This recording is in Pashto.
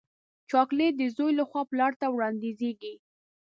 چاکلېټ د زوی له خوا پلار ته وړاندیزېږي.